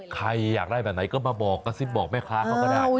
ใครอยากได้แบบไหนก็มาบอกกระซิบบอกแม่ค้าเขาก็ได้